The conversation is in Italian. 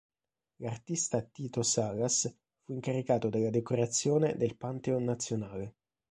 L'artista Tito Salas fu incaricato della decorazione del Pantheon Nazionale.